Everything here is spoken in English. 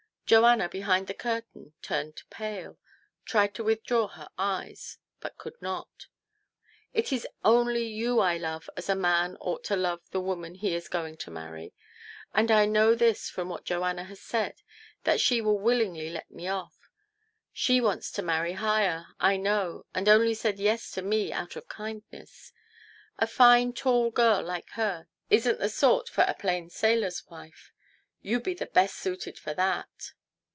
Joanna, behind the curtain, turned pale, tried to withdraw her eyes, but could not. " It is only you I love as a man ought to love the woman he is going to marry ; and I know this from what Joanna has said, that she will willingly let me off. She wants to marry higher, I know, and only said ' Yes ' to me out of kindness. A fine, tall girl like her isn't the sort for a plain sailor's wife ; you be the best suited for that."